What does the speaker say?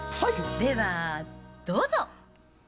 ではどうぞ。